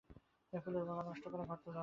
ফুলের বাগান নষ্ট করে ঘর তোলা হয়েছে।